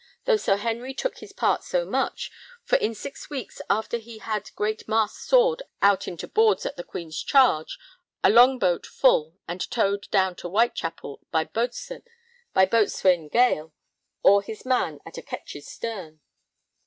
though Sir Henry took his part so much, for in six weeks after he had great masts sawed out into boards at the Queen's charge, a long boat full, and towed down to Whitechapel by Boatswain Vale, or his man, at a ketch's stern.